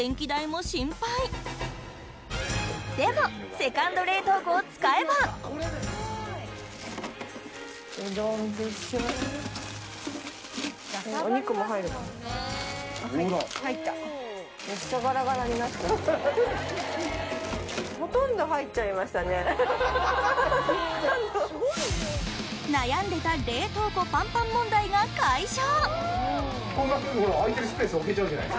セカンド冷凍庫を使えば悩んでた冷凍庫パンパン問題が解消！